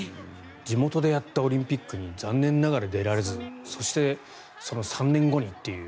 地元でやったオリンピックに残念ながら出られずそして、その３年後にという。